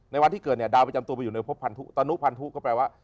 วันที่เกิดเนี่ยดาวประจำตัวไปอยู่ในพบพันธุตนุพันธุก็แปลว่า